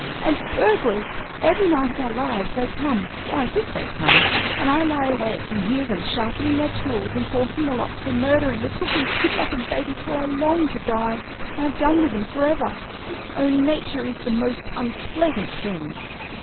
And burglars! Every night of our lives they come, or I think they come, and I lie awake and hear them sharpening their tools and forcing the locks and murdering the cook and kidnapping Baby, till I long to die, and have done with them forever! Oh, Nature is the most unpleasant thing!"